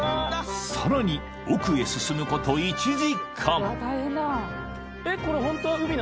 ［さらに奥へ進むこと１時間］